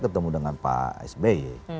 ketemu dengan pak sby